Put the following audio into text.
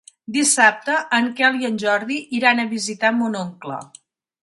Dissabte en Quel i en Jordi iran a visitar mon oncle.